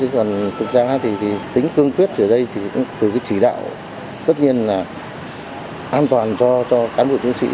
còn thực ra thì tính cương quyết ở đây thì từ cái chỉ đạo tất nhiên là an toàn cho cán bộ chiến sĩ